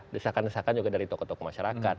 desakan desakan juga dari tokoh tokoh masyarakat